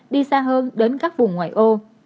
đi xa hơn đến các vùng ngoài ô